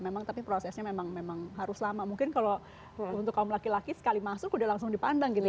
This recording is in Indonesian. memang tapi prosesnya memang harus lama mungkin kalau untuk kaum laki laki sekali masuk udah langsung dipandang gitu ya